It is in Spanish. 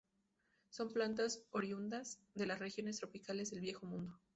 Son plantas oriundas de las regiones tropicales del Viejo Mundo.